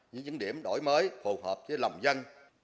những điểm đổi mới phù hợp với lòng dân